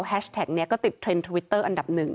แท็กนี้ก็ติดเทรนด์ทวิตเตอร์อันดับหนึ่ง